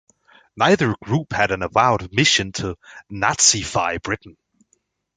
Neither group had an avowed mission to Nazify Britain.